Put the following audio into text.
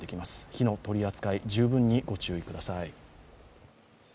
火の取り扱い、十分にご注意ください。